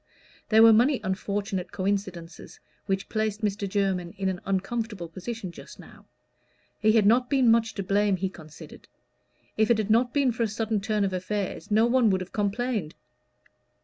There were many unfortunate coincidences which placed Mr. Jermyn in an uncomfortable position just now; he had not been much to blame, he considered; if it had not been for a sudden turn of affairs no one would have complained.